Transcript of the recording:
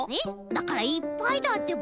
だからいっぱいだってば。